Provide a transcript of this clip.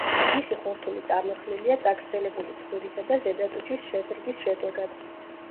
მისი ხორთუმი წარმოქმნილია წაგრძელებული ცხვირისა და ზედა ტუჩის შეზრდის შედეგად.